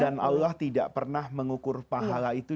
dan allah tidak pernah mengukur pahala itu